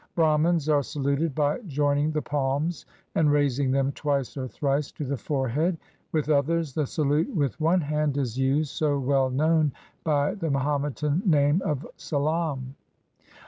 Bramins are saluted by joining the palms, and raising them twice or thrice to the forehead : with others, the salute with one hand is used, so well known by the Mahometan name of salaam.